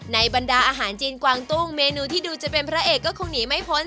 บรรดาอาหารจีนกวางตุ้งเมนูที่ดูจะเป็นพระเอกก็คงหนีไม่พ้น